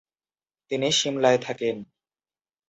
তিনি সিমলায় থাকেন।